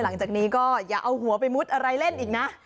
หลังจากนี้ก็อย่าเอาหัวไปมุดอะไรเล่นอีกนะ